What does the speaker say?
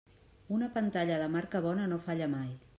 Una pantalla de marca bona no falla mai.